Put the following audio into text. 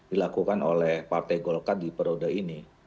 dilakukan oleh partai golkar di periode ini